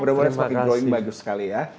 mudah mudahan semakin growing bagus sekali ya